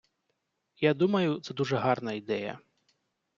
Я думаю, це дуже гарна ідея.